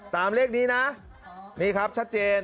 ตามเลขนี้นะนี่ครับชัดเจน